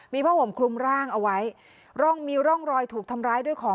มีผ้าห่มคลุมร่างเอาไว้ร่องมีร่องรอยถูกทำร้ายด้วยของ